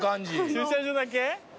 駐車場だけ？